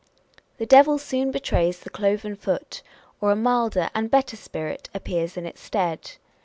The Devil soon betrays the cloven foot ; or a milder and better spirit appears in its stead.